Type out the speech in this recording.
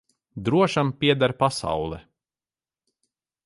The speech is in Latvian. Drošam pieder pasaule.